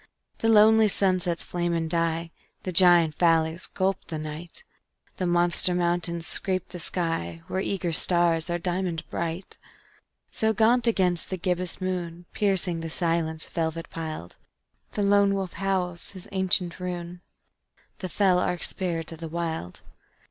_The lonely sunsets flame and die; The giant valleys gulp the night; The monster mountains scrape the sky, Where eager stars are diamond bright._ So gaunt against the gibbous moon, Piercing the silence velvet piled, A lone wolf howls his ancient rune The fell arch spirit of the Wild.